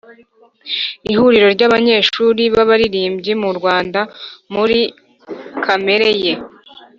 Ihuriro ry'abanyeshuri b'abaririmbyi mu Rwanda Muri kamere ye